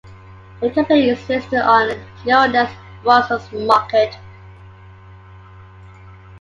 The company is listed on Euronext Brussels market.